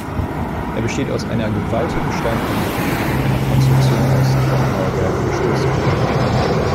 Er besteht aus einer gewaltigen Steinplatte, die von einer Konstruktion aus Trockenmauerwerk gestützt wird.